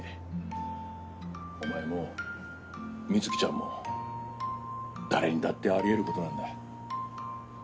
お前も美月ちゃんも誰にだってあり得る事なんだ。